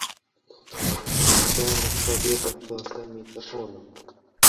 كانت صديقة سامي تخونه.